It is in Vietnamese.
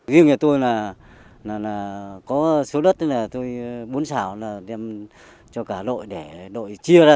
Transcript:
duyên nhà tôi là có số đất là tôi bốn sảo là đem cho cả đội để đội chia ra